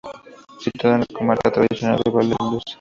Situada en la comarca tradicional de Valdueza.